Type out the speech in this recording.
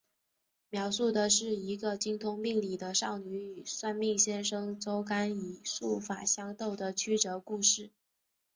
描述的是一个精通命理的少女与算命先生周干以术法相斗的曲折故事。